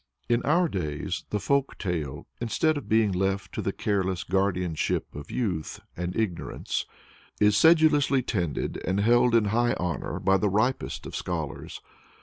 In our days the folk tale, instead of being left to the careless guardianship of youth and ignorance, is sedulously tended and held in high honor by the ripest of scholars.